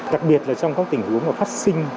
đặc biệt là trong các tình huống phát sinh